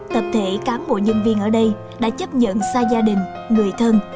tập thể cán bộ nhân viên ở đây đã chấp nhận xa gia đình người thân